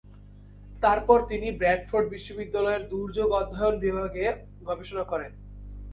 তারপর তিনি ব্র্যাডফোর্ড বিশ্ববিদ্যালয়ের দুর্যোগ অধ্যয়ন বিভাগে গবেষণা করেন।